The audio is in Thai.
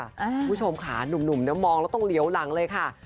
คุณผู้ชมค่ะหนุ่มมองแล้วต้องเหลียวหลังเลยค่ะ